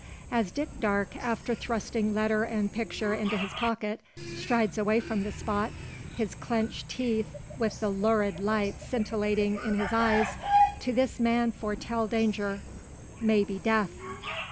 As Dick Darke, after thrusting letter and picture into his pocket, strides away from the spot, his clenched teeth, with the lurid light scintillating in his eyes, to this man foretell danger maybe death.